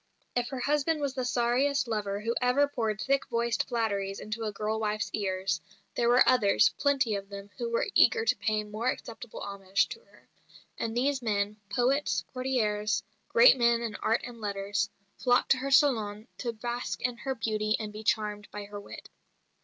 If her husband was the sorriest lover who ever poured thick voiced flatteries into a girl wife's ears, there were others, plenty of them, who were eager to pay more acceptable homage to her; and these men poets, courtiers, great men in art and letters flocked to her salon to bask in her beauty and to be charmed by her wit.